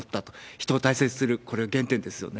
人を大切にする、これは原点ですよね。